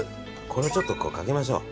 これ、ちょっとかけましょう。